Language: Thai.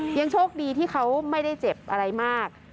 ยังโชคดีที่เขาไม่ได้เจ็บอะไรมาก